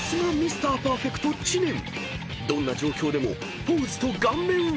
［どんな状況でもポーズと顔面は］